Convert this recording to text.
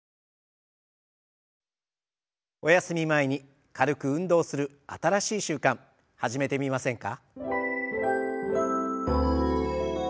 おやすみ前に軽く運動する新しい習慣始めてみませんか？